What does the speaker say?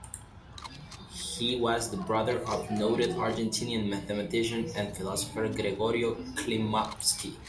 He was the brother of noted Argentinian mathematician and philosopher Gregorio Klimovsky.